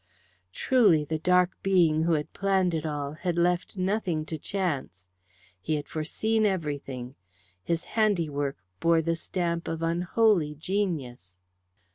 Truly the dark being who had planned it all had left nothing to chance. He had foreseen everything. His handiwork bore the stamp of unholy genius.